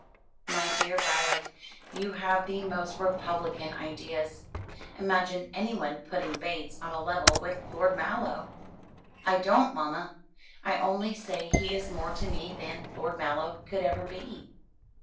"My dear Violet, you have the most republican ideas. Imagine anyone putting Bates on a level with Lord Mallow!" "I don't, mamma. I only say he is more to me than Lord Mallow could ever be."